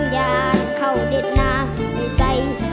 ยานเข้าเด็ดหน้าไปใส่ตรง